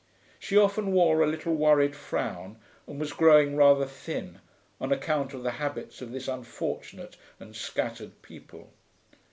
She often wore a little worried frown, and was growing rather thin, on account of the habits of this unfortunate and scattered people.